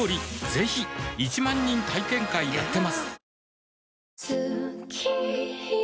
ぜひ１万人体験会やってますはぁ。